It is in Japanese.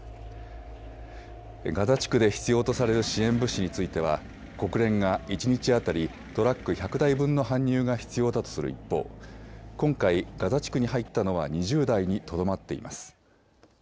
ガザ地区で必要とされる支援物資については国連が一日当たりトラック１００台分の搬入が必要だとする一方、今回、ガザ地区に入ったのは２０台にとどまっています。